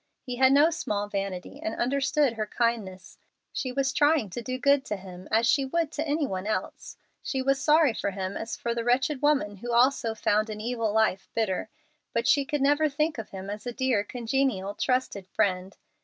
He had no small vanity, and understood her kindness. She was trying to do good to him as she would to any one else. She was sorry for him as for the wretched woman who also found an evil life bitter, but she could never think of him as a dear, congenial, trusted friend.